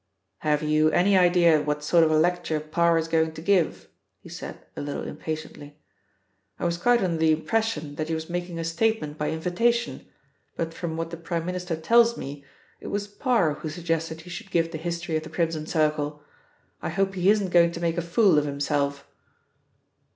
"Have you any idea what sort of a lecture Parr is going to give?" he said, a little impatiently. "I was quite under the impression that he was making a statement by invitation, but from what the Prime Minister tells me, it was Parr who suggested he should give the history of the Crimson Circle. I hope he isn't going to make a fool of himself."